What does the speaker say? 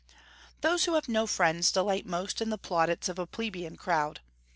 Those who have no friends delight most in the plaudits of a plebeian crowd.